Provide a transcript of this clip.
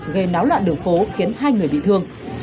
gây náo loạn đường phố khiến hai người bị thương